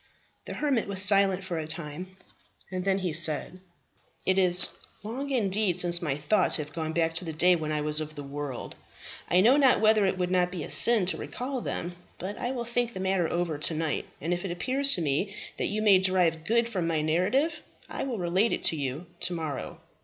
The hermit was silent for a time, and then said, "It is long indeed since my thoughts have gone back to the day when I was of the world. I know not whether it would not be a sin to recall them; but I will think the matter over to night, and if it appears to me that you may derive good from my narrative, I will relate it to you to morrow."